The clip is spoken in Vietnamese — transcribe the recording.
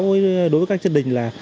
đối với các chân đình